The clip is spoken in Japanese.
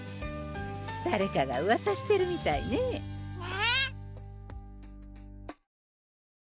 誰かがうわさしてるみたいねね